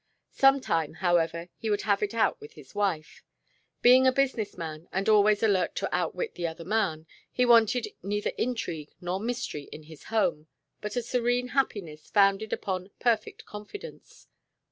Some time, however, he would have it out with his wife. Being a business man and always alert to outwit the other man, he wanted neither intrigue nor mystery in his home, but a serene happiness founded upon perfect confidence.